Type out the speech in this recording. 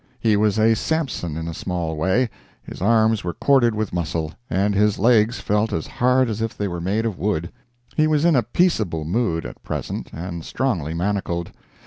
He was a Samson in a small way; his arms were corded with muscle, and his legs felt as hard as if they were made of wood. He was in a peaceable mood at present, and strongly manacled.